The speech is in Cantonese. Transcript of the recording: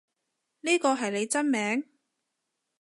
呢個係你真名？